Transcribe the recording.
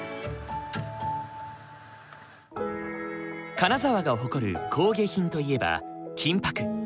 金沢が誇る工芸品といえば金ぱく。